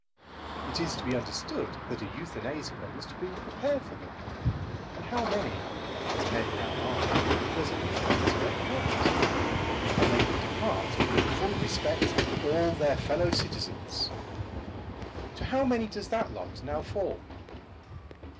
It is to be understood that a euthanasia was to be prepared for them; and how many, as men now are, does a euthanasia await? And they would depart with the full respect of all their fellow citizens. To how many does that lot now fall?